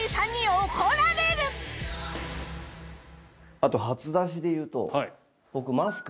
あと初出しで言うと。